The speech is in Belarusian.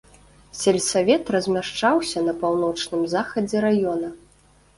Сельсавет размяшчаўся на паўночным захадзе раёна.